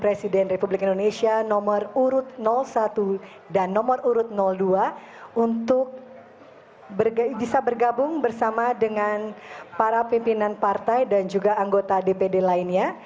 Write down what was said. presiden republik indonesia nomor urut satu dan nomor urut dua untuk bisa bergabung bersama dengan para pimpinan partai dan juga anggota dpd lainnya